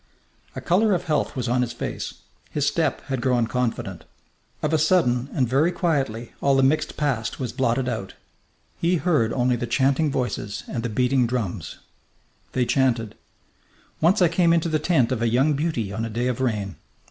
A colour of health was on his face; his step had grown confident. Of a sudden, and very quietly, all the mixed past was blotted out. He heard only the chanting voices and the beating drums. _Once I came into the tent of a young beauty on a day of rain....